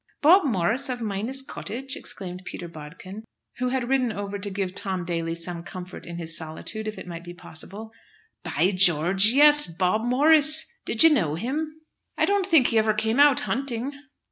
"Bob Morris, of Minas Cottage!" exclaimed Peter Bodkin, who had ridden over to give Tom Daly some comfort in his solitude, if it might be possible. "By George! yes; Bob Morris! Did you know him?" "I don't think he ever came out hunting."